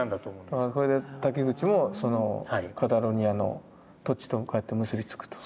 それで瀧口もそのカタロニアの土地とこうやって結び付くと。